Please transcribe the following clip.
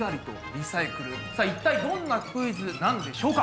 さあ一体どんなクイズなんでしょうか？